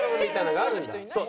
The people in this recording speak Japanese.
そう。